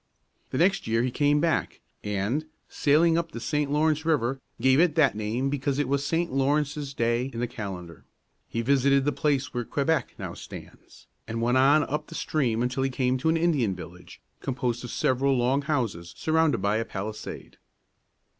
The next year he came back, and, sailing up the St. Lawrence River, gave it that name because it was Saint Lawrence's day in the calendar. He visited the place where Que bec´ now stands, and went on up the stream until he came to an Indian village, composed of several long houses surrounded by a palisade.